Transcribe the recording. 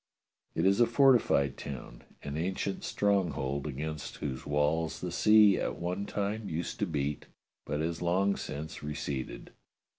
It is a fortified town, an ancient stronghold against whose walls the sea at one time used to beat but has long since receded.